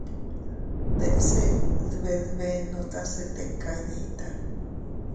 Deʼse dbedbenota se tika iydita.